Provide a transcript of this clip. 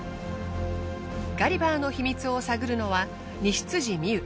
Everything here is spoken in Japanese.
ガリバーの秘密を探るのは西未侑。